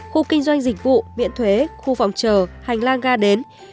khu kinh doanh dịch vụ miễn thuế khu phòng chờ hành lang ga đến